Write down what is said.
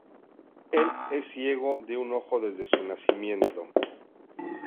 Él es ciego de un ojo desde su nacimiento.